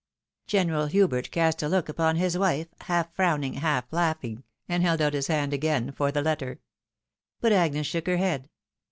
General Hubert cast a look upon his wife, half frowning, half laughing, and held out his hand again for the letter. But Agnes shook her head.